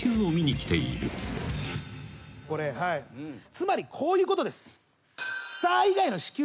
つまりこういうことです。